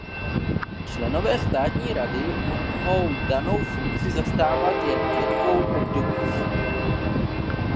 Členové Státní rady mohou danou funkci zastávat jen ve dvou obdobích.